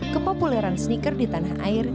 kepopuleran sneaker di tanah air